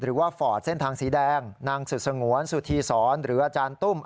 หรือว่าฟอร์ดเส้นทางสีแดงนางสุศงวรสุธีศรหรืออาจารย์ตุ้ม